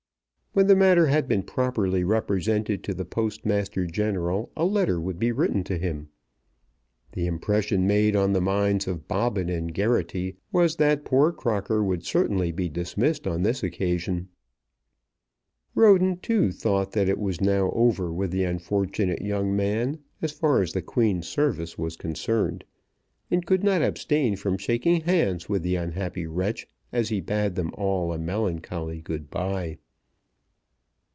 When the matter had been properly represented to the Postmaster General, a letter would be written to him. The impression made on the minds of Bobbin and Geraghty was that poor Crocker would certainly be dismissed on this occasion. Roden, too, thought that it was now over with the unfortunate young man, as far as the Queen's service was concerned, and could not abstain from shaking hands with the unhappy wretch as he bade them all a melancholy good bye.